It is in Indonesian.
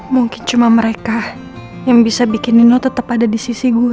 mungkin cuma mereka yang bisa bikinin lo tetap ada di sisi gue